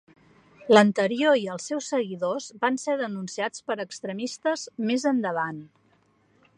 L'anterior i els seus seguidors van ser denunciats per extremistes més endavant.